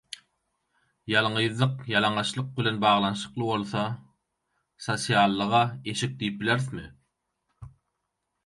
Ýalňyzlyk ýalaňaçlyk bilen baglanşykly bolsa sosiallyga eşik diýip bilerismi?